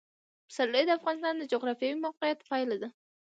پسرلی د افغانستان د جغرافیایي موقیعت پایله ده.